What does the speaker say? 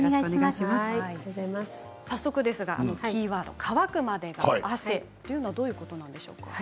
早速ですがキーワード乾くまでが汗というのはどういうことなんでしょうか。